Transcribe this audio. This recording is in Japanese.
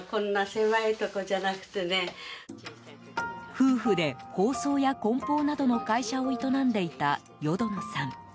夫婦で包装や梱包などの会社を営んでいた淀野さん。